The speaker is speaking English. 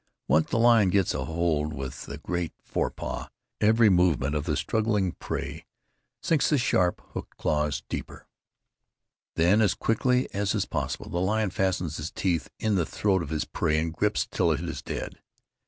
Once the lion gets a hold with the great forepaw, every movement of the struggling prey sinks the sharp, hooked claws deeper. Then as quickly as is possible, the lion fastens his teeth in the throat of his prey and grips till it is dead.